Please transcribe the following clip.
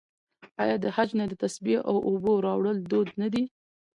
آیا د حج نه د تسبیح او اوبو راوړل دود نه دی؟